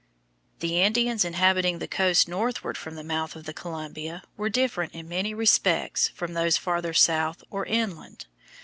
The Indians inhabiting the coast northward from the mouth of the Columbia were different in many respects from those farther south or inland.